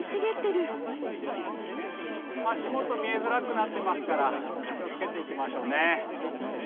足元見えづらくなってますから気を付けて行きましょうね。